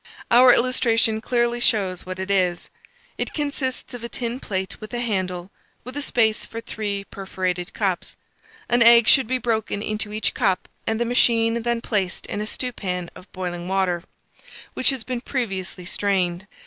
Our illustration clearly shows what it is: it consists of a tin plate with a handle, with a space for three perforated cups. An egg should be broken into each cup, and the machine then placed in a stewpan of boiling water, which has been previously strained.